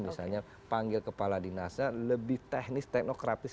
misalnya panggil kepala dinasnya lebih teknis teknokratis